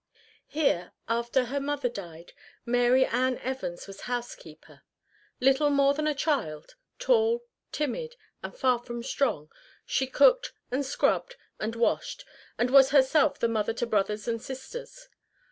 Here, after her mother died, Mary Ann Evans was housekeeper. Little more than a child tall, timid, and far from strong she cooked and scrubbed and washed, and was herself the mother to brothers and sisters.